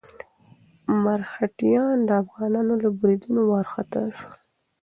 مرهټیان د افغانانو له بريدونو وارخطا شول.